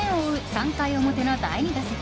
３回表の第２打席。